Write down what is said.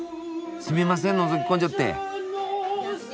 すみませんのぞき込んじゃって。